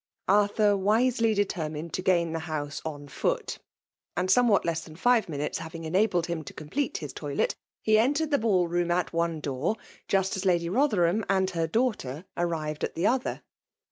Arthur wisely determined to gain the nUAhE DC»flNATIOKJ 121 hMs^ on foot ; and, somewhat less than five ;ininutes having enabled hiai to complete Jm toiiet he entered the baU room ^ one door, .|08t as L^tdy Kotherham and her daitghtor arriyed at the oth?r.